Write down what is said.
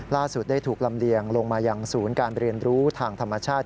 ล่าสุดได้ถูกลำเลียงลงมายังศูนย์การเรียนรู้ทางธรรมชาติ